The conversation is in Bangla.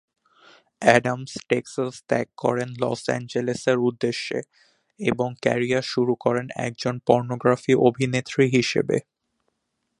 অ্যাডামস টেক্সাস ত্যাগ করেন লস অ্যাঞ্জেলেস এর উদ্দেশ্যে, এবং তাঁর ক্যারিয়ার শুরু করেন একজন পর্নোগ্রাফি অভিনেত্রী হিসেবে।